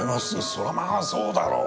そりゃまあそうだろう。